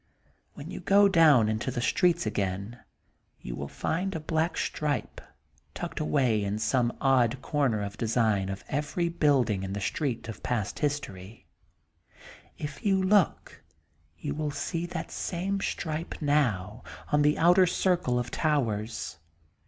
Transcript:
When you go down into the streets again you will find a black stripe tucked away in some odd comer of the design of every building in The Street of Past History. If you look you will see that same stripe now, on the outer circle of towers.